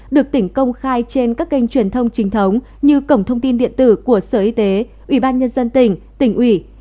được tỉnh công khai trên các kênh truyền thông chính thống như cổng thông tin điện tử của sở y tế ủy ban nhân dân tỉnh tỉnh ủy